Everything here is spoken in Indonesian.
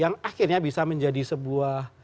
yang akhirnya bisa menjadi sebuah